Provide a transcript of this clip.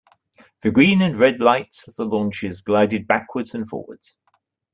The green and red lights of the launches glided backwards and forwards.